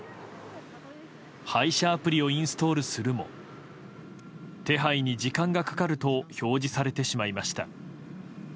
配車アプリをインストールするも手配に時間がかかると表示されてしまいました。